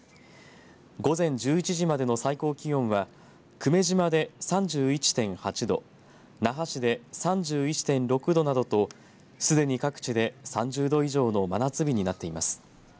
午前１１時までの最高気温は久米島で３１．８度那覇市で３１．６度などとすでに各地で３０度以上の真夏日になっています。